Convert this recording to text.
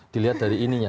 dilihat dari ininya